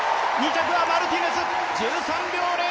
２着はマルティネス１３秒２７。